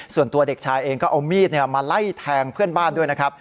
ส่วนตัวเด็กชายเองก็เอามีดมาไล่แทงเพื่อนบ้านด้วยนะครับ